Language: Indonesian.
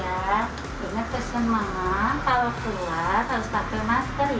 ingat pesan mama kalau keluar harus pakai masker ya